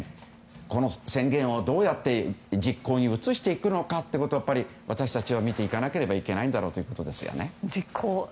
この宣言をどうやって実行に移していくのかを私たちは見ていかなければいけないんだろうということですよね。